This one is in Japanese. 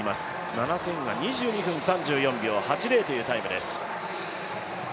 ７０００は２２分３４秒８０というタイムです。